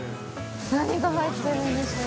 何が入っているんでしょう。